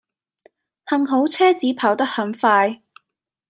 幸好車子跑得很快